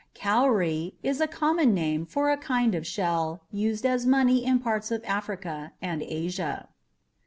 (Cowrie is a common name for a kind of shell used as money in parts of Africa and Asia.)